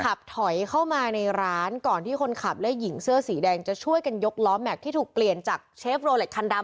ขับถอยเข้ามาในร้านก่อนที่คนขับและหญิงเสื้อสีแดงจะช่วยกันยกล้อแม็กซ์ที่ถูกเปลี่ยนจากเชฟโรเล็ตคันดำ